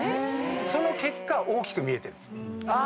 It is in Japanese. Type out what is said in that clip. その結果大きく見えてるんです。